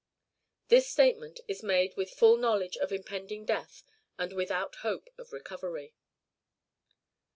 "This statement is made with full knowledge of impending death and without hope of recovery."